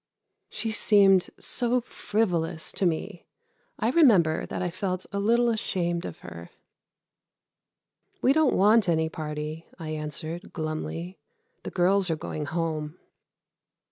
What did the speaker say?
She seemed so frivolous to me. I remember that I felt a little ashamed of her. "We don't want any party," I answered, glumly. "The girls are going home."